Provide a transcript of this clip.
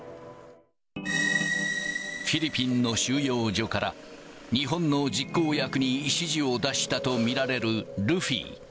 フィリピンの収容所から、日本の実行役に指示を出したと見られるルフィ。